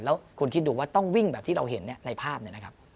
แล้วคุณคิดดูว่าต้องวิ่งแบบที่เราเห็นในภาพเนี่ยนะครับ